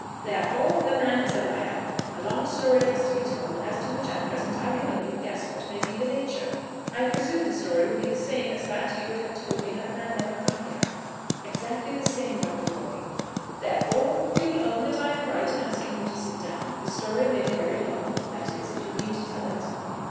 "Therefore the man is a liar. A long story has to be told, as to which at present I can only guess what may be the nature. I presume the story will be the same as that you would have told had the man never come here." "Exactly the same, Dr. Wortle." "Therefore you will own that I am right in asking you to sit down. The story may be very long, that is, if you mean to tell it."